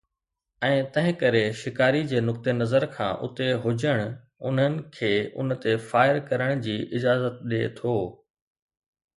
۽ تنهنڪري شڪاري جي نقطي نظر کان اتي هجڻ انهن کي ان تي فائر ڪرڻ جي اجازت ڏئي ٿو